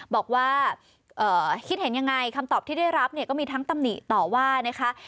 บอกว่าคิดเห็นยังไงคำตอบที่ได้รับเนี่ยก็มีทั้งตำหนิต่อว่านะคะ